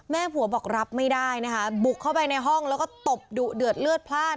แม่ผัวบอกรับไม่ได้นะคะบุกเข้าไปในห้องแล้วก็ตบดุเดือดเลือดพลาด